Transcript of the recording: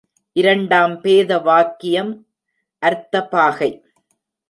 இரண்டாம் பேத வாக்கியம் அர்த்த பாகை.